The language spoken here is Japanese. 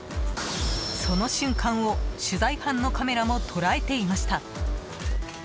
その瞬間を取材班のカメラも捉えていました。